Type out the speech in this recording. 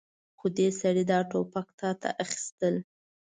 خو دې سړي دا ټوپک تاته اخيستل.